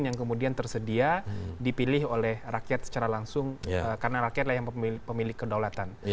yang kemudian tersedia dipilih oleh rakyat secara langsung karena rakyatlah yang pemilik kedaulatan